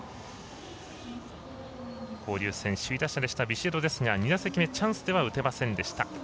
交流戦、首位打者だったビシエドですが２打席目、チャンスでは打てませんでした。